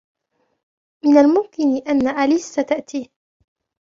من الممكن أن أليس ستأتي.